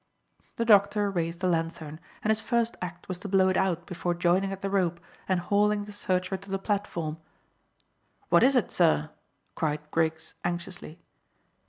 The doctor raised the lanthorn, and his first act was to blow it out before joining at the rope and hauling the searcher to the platform. "What is it, sir?" cried Griggs anxiously.